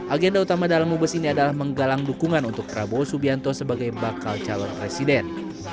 agenda utama dalam mubes ini adalah menggalang dukungan untuk prabowo subianto sebagai bakal calon presiden